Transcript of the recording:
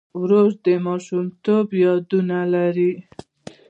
ورور د ماشومتوب یادونه لري.